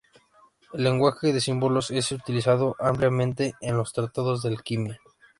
El lenguaje de símbolos es utilizado ampliamente en los tratados de alquimia.